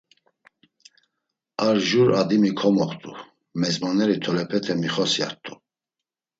Ar jur adimi komoxt̆u, mezmoneri tolepete mixosyart̆u.